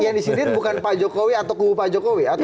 jadi yang disini bukan pak jokowi atau ku pak jokowi